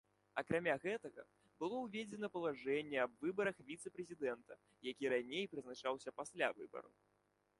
Акрамя гэтага, было ўведзена палажэнне аб выбарах віцэ-прэзідэнта, які раней прызначаўся пасля выбараў.